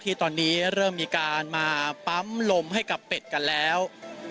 ที่ตอนนี้เริ่มมีการมาปั๊มลมให้กับเป็ดกันแล้ว